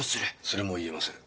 それも言えません。